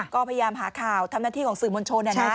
ก็พยายามหาข่าวทำหน้าที่ของสื่อมวลชน